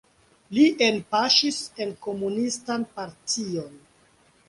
Li enpaŝis en komunistan partion.